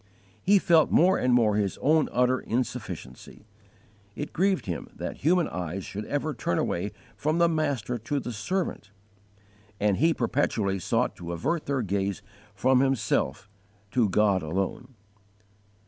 He felt more and more his own utter insufficiency. It grieved him that human eyes should ever turn away from the Master to the servant, and he perpetually sought to avert their gaze from himself to God alone.